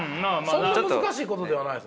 そんな難しいことではないですね。